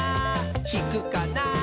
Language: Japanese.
ひくかな？